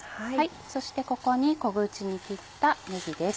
そしてここに小口に切ったねぎです。